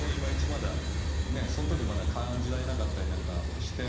まだそん時まだ感じられなかったりなんかもして。